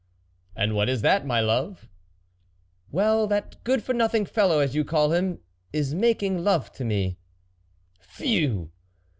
" And what is that, my love ?" "Well, that good for nothing fellow, as you call him, is making love to me." "Phew!"